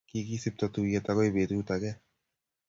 Kikisipto tuyet akoi betut ake